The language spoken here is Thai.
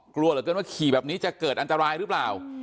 กลัวเหลือเกินว่าขี่แบบนี้จะเกิดอันตรายหรือเปล่า